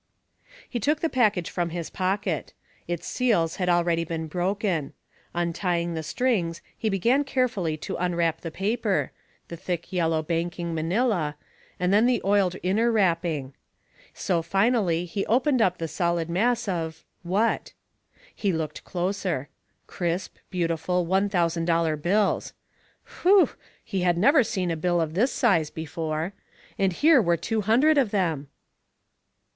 He took the package from his pocket. Its seals had already been broken. Untying the strings, he began carefully to unwrap the paper the thick yellow banking manila, and then the oiled inner wrapping. So finally he opened up the solid mass of what? He looked closer. Crisp, beautiful, one thousand dollar bills. Whew! He had never seen a bill of this size before. And here were two hundred of them.